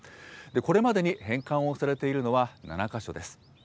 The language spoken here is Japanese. これまでに返還をされているのは７か所です。